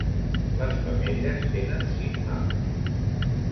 Les femelles tenen sis mames.